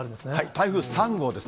台風３号です。